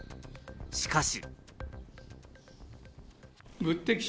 しかし。